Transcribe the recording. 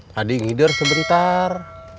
tadi ngider sebentar